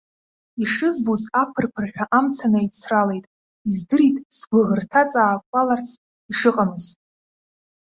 Ишызбоз аԥыр-ԥырҳәа амца наицралеит, издырит сгәыӷырҭа ҵаакәаларц ишыҟамыз.